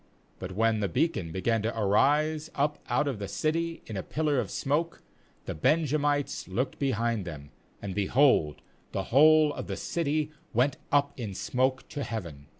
40But when the beacon began to arise up out of the city in a pillar of smoke, the Benjamites looked behind them, and, behold, the whole of the city went up in smoke to heaven.